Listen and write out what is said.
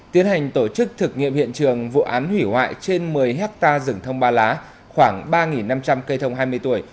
tiến hành tổ chức thực nghiệm hiện trường vụ án hủy hoại trên một mươi hectare rừng thông ba lá khoảng ba năm trăm linh cây thông hai mươi tuổi